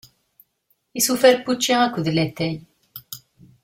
Isufar n wučči akked latay.